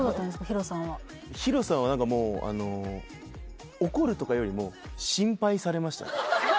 ＨＩＲＯさんはＨＩＲＯさんは何かもう怒るとかよりも心配されましたね